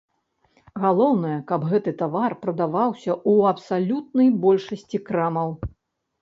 Галоўнае, каб гэты тавар прадаваўся ў абсалютнай большасці крамаў.